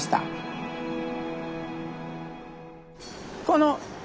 この。